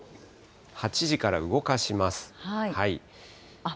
８時から動かします。